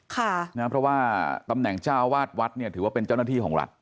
เพราะว่าตำแหน่งเจ้าวาดวัดเนี่ยถือว่าเป็นเจ้าหน้าที่ของรัฐ